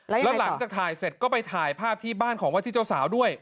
แล้วหลังจากถ่ายเสร็จก็ไปถ่ายภาพที่บ้านของวัดที่เจ้าสาวด้วย